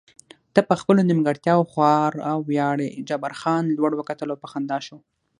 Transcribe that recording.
ته په خپلو نیمګړتیاوو خورا ویاړې، جبار خان لوړ وکتل او په خندا شو.